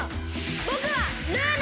ぼくはルーナ！